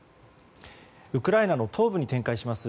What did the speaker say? ウクライナの東部に展開します